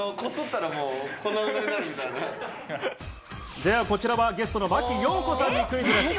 では、こちらはゲストの真木よう子さんにクイズです。